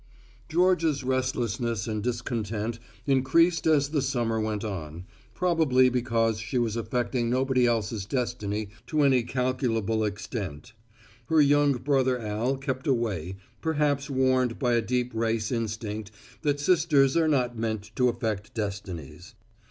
Georgia's restlessness and discontent increased as the summer went on, probably because she was affecting nobody else's destiny to any calculable extent. Her young brother Al kept away, perhaps warned by a deep race instinct that sisters are not meant to affect destinies.